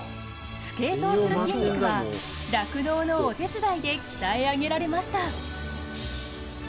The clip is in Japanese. スケートをする筋肉は、酪農のお手伝いで鍛え上げられました。